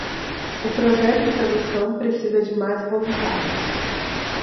O projeto de tradução precisa de mais voluntários.